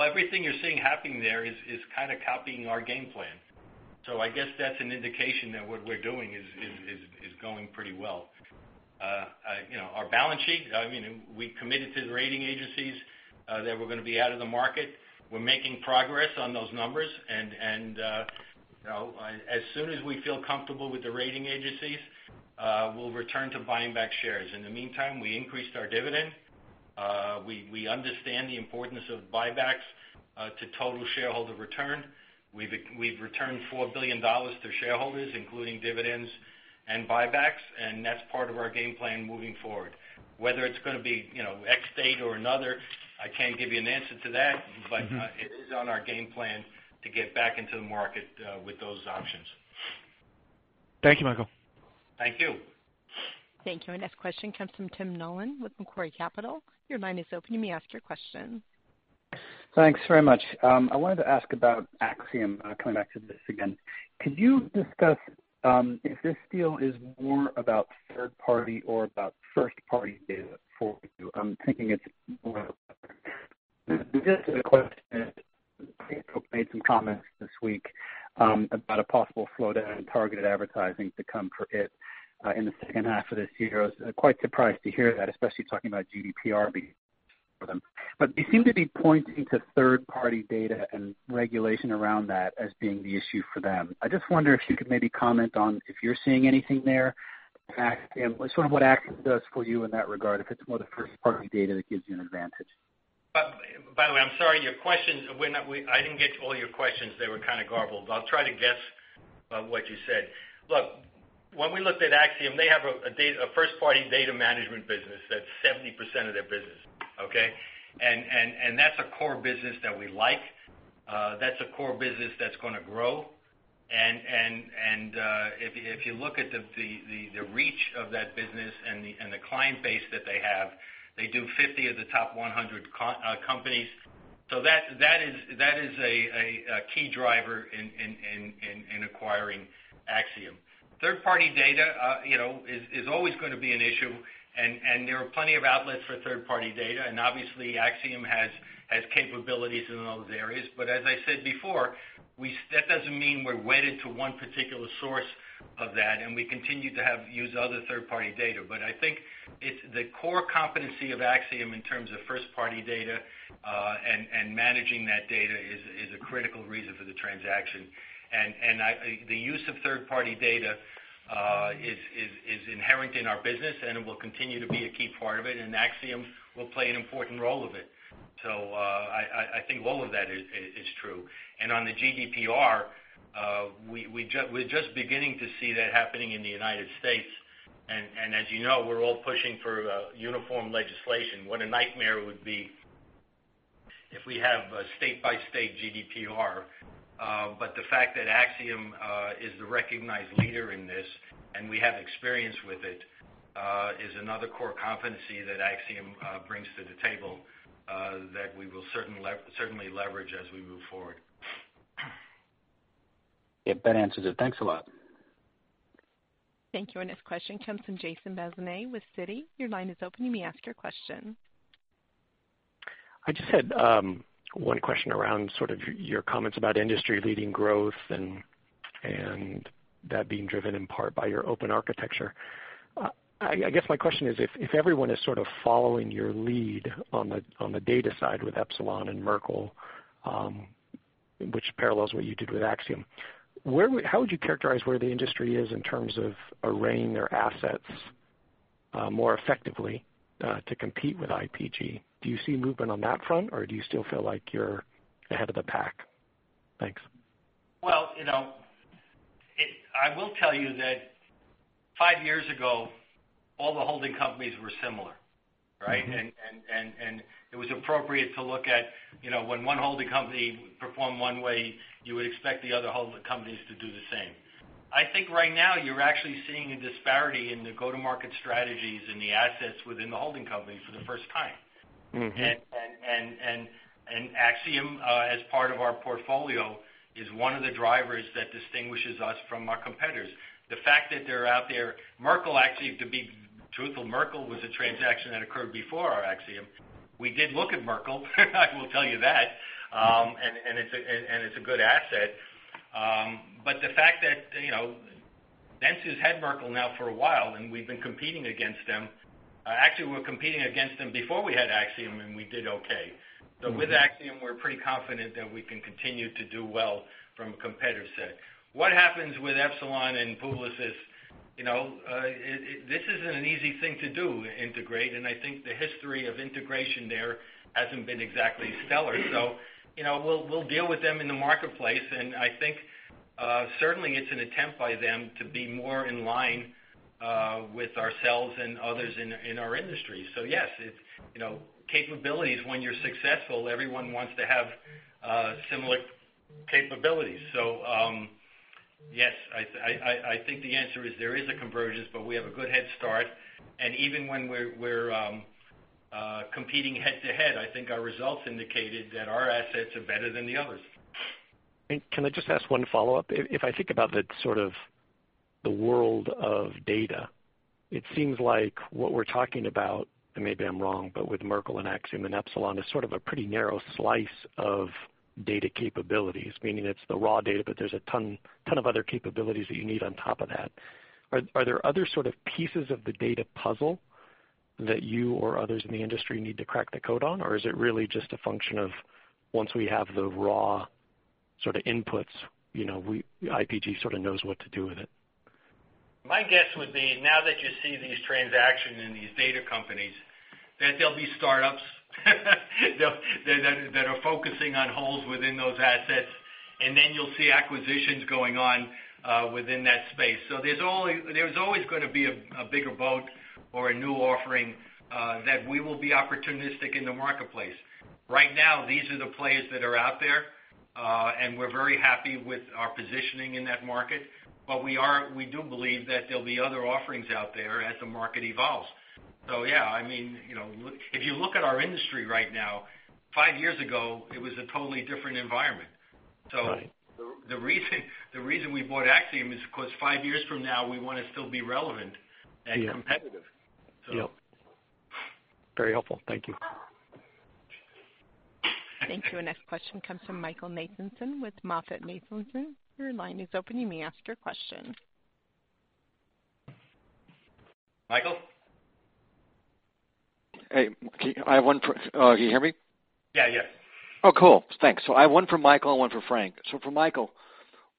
everything you're seeing happening there is kind of copying our game plan. So I guess that's an indication that what we're doing is going pretty well. Our balance sheet, I mean, we committed to the rating agencies that we're going to be out of the market. We're making progress on those numbers. As soon as we feel comfortable with the rating agencies, we'll return to buying back shares. In the meantime, we increased our dividend. We understand the importance of buybacks to total shareholder return. We've returned $4 billion to shareholders, including dividends and buybacks. And that's part of our game plan moving forward. Whether it's going to be X date or another, I can't give you an answer to that, but it is on our game plan to get back into the market with those options. Thank you, Michael. Thank you. Thank you. Our next question comes from Tim Nollen with Macquarie Capital. Your line is open. You may ask your question. Thanks very much. I wanted to ask about Acxiom coming back to this again. Could you discuss if this deal is more about third-party or about first-party data for you? I'm thinking it's more about this is a question that Facebook made some comments this week about a possible slowdown in targeted advertising to come for it in the second half of this year. I was quite surprised to hear that, especially talking about GDPR being for them. But they seem to be pointing to third-party data and regulation around that as being the issue for them. I just wonder if you could maybe comment on if you're seeing anything there in Acxiom, sort of what Acxiom does for you in that regard, if it's more the first-party data that gives you an advantage. By the way, I'm sorry. Your questions, I didn't get to all your questions. They were kind of garbled. I'll try to guess what you said. Look, when we looked at Acxiom, they have a first-party data management business that's 70% of their business. Okay? And that's a core business that we like. That's a core business that's going to grow. And if you look at the reach of that business and the client base that they have, they do 50 of the top 100 companies. So that is a key driver in acquiring Acxiom. Third-party data is always going to be an issue, and there are plenty of outlets for third-party data. And obviously, Acxiom has capabilities in those areas. But as I said before, that doesn't mean we're wedded to one particular source of that, and we continue to use other third-party data. But I think the core competency of Acxiom in terms of first-party data and managing that data is a critical reason for the transaction. And the use of third-party data is inherent in our business, and it will continue to be a key part of it. And Acxiom will play an important role in it. So I think all of that is true. And on the GDPR, we're just beginning to see that happening in the United States. And as you know, we're all pushing for uniform legislation. What a nightmare it would be if we have a state-by-state GDPR. But the fact that Acxiom is the recognized leader in this and we have experience with it is another core competency that Acxiom brings to the table that we will certainly leverage as we move forward. Yep. That answers it. Thanks a lot. Thank you. Our next question comes from Jason Bazinet with Citi. Your line is open. You may ask your question. I just had one question around sort of your comments about industry-leading growth and that being driven in part by your open architecture. I guess my question is, if everyone is sort of following your lead on the data side with Epsilon and Merkle, which parallels what you did with Acxiom, how would you characterize where the industry is in terms of arraying their assets more effectively to compete with IPG? Do you see movement on that front, or do you still feel like you're ahead of the pack? Thanks. I will tell you that five years ago, all the holding companies were similar. Right? And it was appropriate to look at when one holding company performed one way, you would expect the other holding companies to do the same. I think right now you're actually seeing a disparity in the go-to-market strategies and the assets within the holding companies for the first time. And Acxiom, as part of our portfolio, is one of the drivers that distinguishes us from our competitors. The fact that they're out there, Merkle, actually, to be truthful, Merkle was a transaction that occurred before our Acxiom. We did look at Merkle, I will tell you that, and it's a good asset. But the fact that Dentsu had Merkle now for a while, and we've been competing against them. Actually, we were competing against them before we had Acxiom, and we did okay. So with Acxiom, we're pretty confident that we can continue to do well from a competitive side. What happens with Epsilon and Publicis? This isn't an easy thing to do, integrate. And I think the history of integration there hasn't been exactly stellar. So we'll deal with them in the marketplace. And I think certainly it's an attempt by them to be more in line with ourselves and others in our industry. So yes, capabilities, when you're successful, everyone wants to have similar capabilities. So yes, I think the answer is there is a convergence, but we have a good head start. And even when we're competing head-to-head, I think our results indicated that our assets are better than the others. Can I just ask one follow-up? If I think about sort of the world of data, it seems like what we're talking about, and maybe I'm wrong, but with Merkle and Acxiom and Epsilon is sort of a pretty narrow slice of data capabilities, meaning it's the raw data, but there's a ton of other capabilities that you need on top of that. Are there other sort of pieces of the data puzzle that you or others in the industry need to crack the code on, or is it really just a function of once we have the raw sort of inputs, IPG sort of knows what to do with it? My guess would be, now that you see these transactions in these data companies, that they'll be startups that are focusing on holes within those assets, and then you'll see acquisitions going on within that space. So there's always going to be a bigger boat or a new offering that we will be opportunistic in the marketplace. Right now, these are the players that are out there, and we're very happy with our positioning in that market. But we do believe that there'll be other offerings out there as the market evolves. So yeah, I mean, if you look at our industry right now, five years ago, it was a totally different environment. So the reason we bought Acxiom is because five years from now, we want to still be relevant and competitive. Very helpful. Thank you. Thank you. Our next question comes from Michael Nathanson with MoffettNathanson. Your line is open. You may ask your question. Michael? Hey, Mike. I have one for. Oh, can you hear me? Yeah. Yes. Oh, cool. Thanks. So I have one for Michael and one for Frank. So for Michael,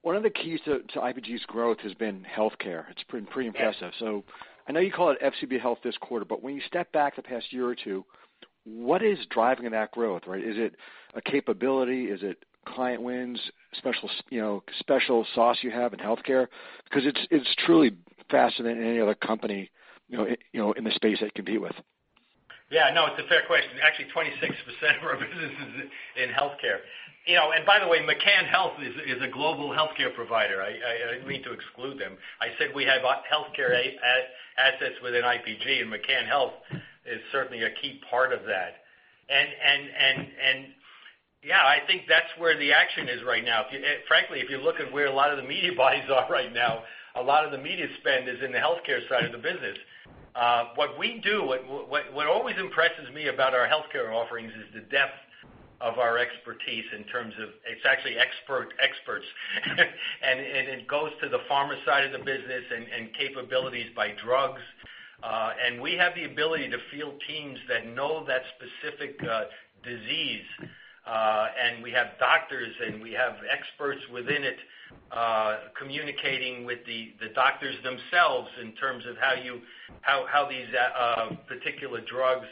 one of the keys to IPG's growth has been healthcare. It's been pretty impressive. So I know you call it FCB Health this quarter, but when you step back the past year or two, what is driving that growth? Right? Is it a capability? Is it client wins, special sauce you have in healthcare? Because it's truly faster than any other company in the space that you compete with. Yeah. No, it's a fair question. Actually, 26% of our business is in healthcare. And by the way, McCann Health is a global healthcare provider. I didn't mean to exclude them. I said we have healthcare assets within IPG, and McCann Health is certainly a key part of that. And yeah, I think that's where the action is right now. Frankly, if you look at where a lot of the media budgets are right now, a lot of the media spend is in the healthcare side of the business. What we do, what always impresses me about our healthcare offerings is the depth of our expertise in terms of, it's actually experts. And it goes to the pharma side of the business and capabilities by drugs. And we have the ability to field teams that know that specific disease. And we have doctors, and we have experts within it communicating with the doctors themselves in terms of how these particular drugs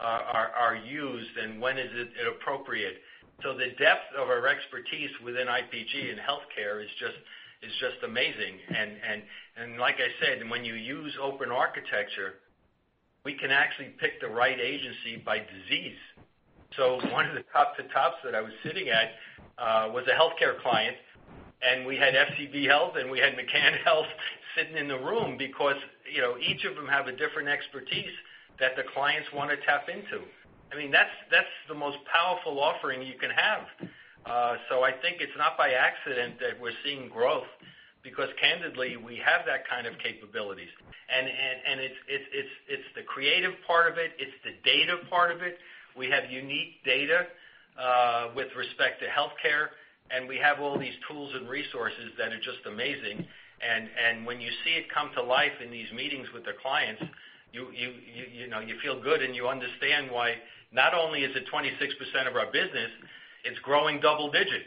are used and when is it appropriate. So the depth of our expertise within IPG and healthcare is just amazing. And like I said, when you use open architecture, we can actually pick the right agency by disease. So one of the top-to-tops that I was sitting at was a healthcare client, and we had FCB Health, and we had McCann Health sitting in the room because each of them has a different expertise that the clients want to tap into. I mean, that's the most powerful offering you can have. So I think it's not by accident that we're seeing growth because candidly, we have that kind of capabilities. And it's the creative part of it. It's the data part of it. We have unique data with respect to healthcare, and we have all these tools and resources that are just amazing. And when you see it come to life in these meetings with the clients, you feel good, and you understand why not only is it 26% of our business, it's growing double-digit.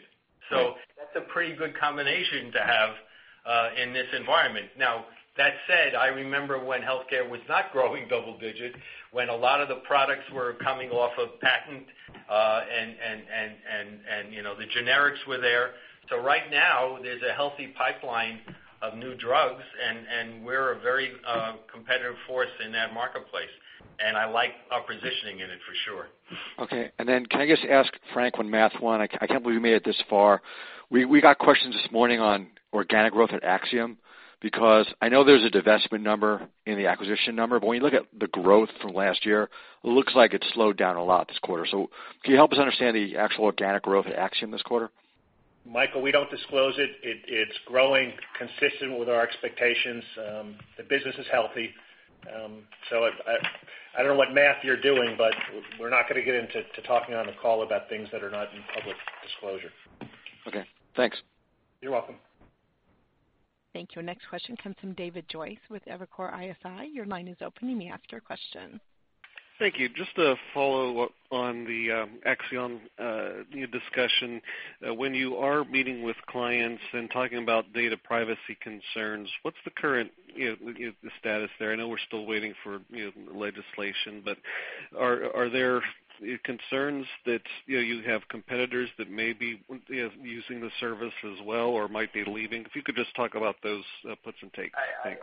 So that's a pretty good combination to have in this environment. Now, that said, I remember when healthcare was not growing double-digit, when a lot of the products were coming off of patent and the generics were there. So right now, there's a healthy pipeline of new drugs, and we're a very competitive force in that marketplace. And I like our positioning in it for sure. Okay. And then can I just ask Frank one math one? I can't believe we made it this far. We got questions this morning on organic growth at Acxiom because I know there's a divestment number in the acquisition number, but when you look at the growth from last year, it looks like it slowed down a lot this quarter. So can you help us understand the actual organic growth at Acxiom this quarter? Michael, we don't disclose it. It's growing consistent with our expectations. The business is healthy. So I don't know what math you're doing, but we're not going to get into talking on the call about things that are not in public disclosure. Okay. Thanks. You're welcome. Thank you. Our next question comes from David Joyce with Evercore ISI. Your line is open. You may ask your question. Thank you. Just to follow up on the Acxiom discussion, when you are meeting with clients and talking about data privacy concerns, what's the current status there? I know we're still waiting for legislation, but are there concerns that you have competitors that may be using the service as well or might be leaving? If you could just talk about those puts and takes. Thanks.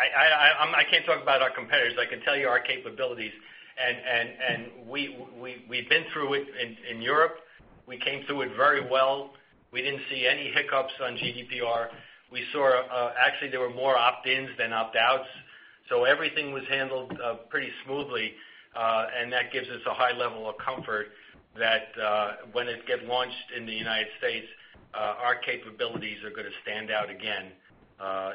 I can't talk about our competitors. I can tell you our capabilities, and we've been through it in Europe. We came through it very well. We didn't see any hiccups on GDPR. We saw, actually, there were more opt-ins than opt-outs, so everything was handled pretty smoothly, and that gives us a high level of comfort that when it gets launched in the United States, our capabilities are going to stand out again,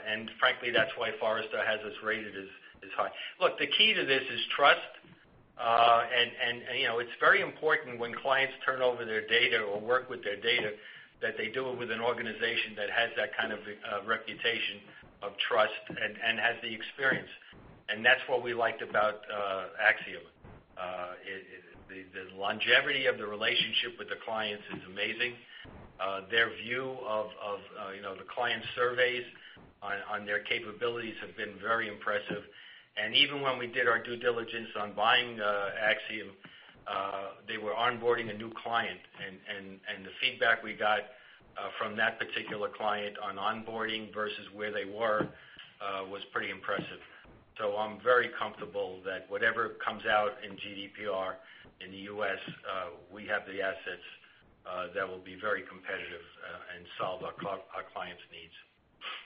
and frankly, that's why Forrester has us rated as high. Look, the key to this is trust, and it's very important when clients turn over their data or work with their data that they do it with an organization that has that kind of reputation of trust and has the experience, and that's what we liked about Acxiom. The longevity of the relationship with the clients is amazing. Their view of the client surveys on their capabilities has been very impressive. And even when we did our due diligence on buying Acxiom, they were onboarding a new client. And the feedback we got from that particular client on onboarding versus where they were was pretty impressive. So I'm very comfortable that whatever comes out in GDPR in the US, we have the assets that will be very competitive and solve our clients' needs.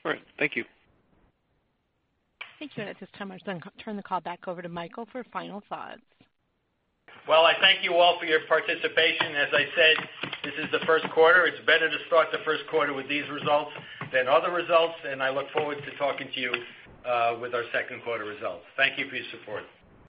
All right. Thank you. Thank you. And at this time, I'm just going to turn the call back over to Michael for final thoughts. I thank you all for your participation. As I said, this is the first quarter. It's better to start the first quarter with these results than other results. I look forward to talking to you with our second quarter results. Thank you for your support.